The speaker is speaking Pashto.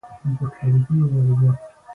مالیه د حکومت د پرمختګ لپاره مهمه ده.